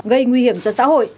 gây nguy hiểm cho xã hội